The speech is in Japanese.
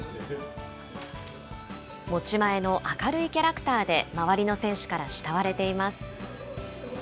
持ち前の明るいキャラクターで、周りの選手から慕われています。